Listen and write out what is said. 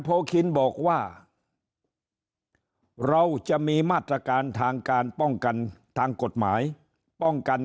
โพคินบอกว่าเราจะมีมาตรการทางการป้องกันทางกฎหมายป้องกัน